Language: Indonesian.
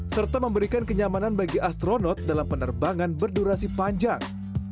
serta memberikan kenyamanan bagi astronot dalam penerbangan berdurasi panjang